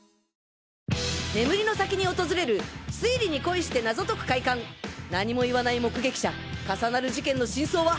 眠りの先に訪れる推理に恋して謎解く快感何も言わない目撃者重なる事件の真相は？